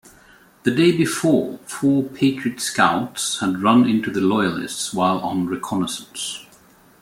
The day before, four Patriot scouts had run into the Loyalists while on reconnaissance.